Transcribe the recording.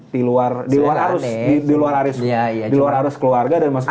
di luar arus keluarga dan masuk politik